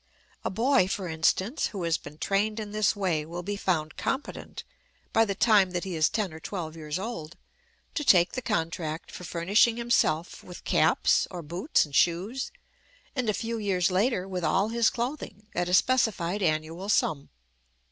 A boy, for instance, who has been trained in this way will be found competent, by the time that he is ten or twelve years old, to take the contract for furnishing himself with caps, or boots and shoes, and, a few years later, with all his clothing, at a specified annual sum.